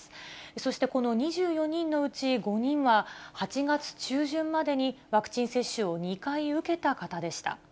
そしてこの２４人のうち５人は、８月中旬までにワクチン接種を２回受けた方でした。